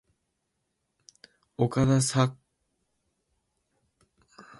岡田紗佳と岡田彰布ではだいぶ違う